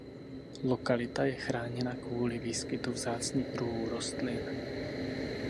Lokalita je chráněna kvůli výskytu vzácných druhů rostlin.